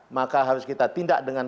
maka harus kita tindak dengan